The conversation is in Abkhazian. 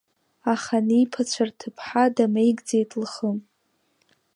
Аханиԥацәа рҭыԥҳа дамеигӡеит лхы.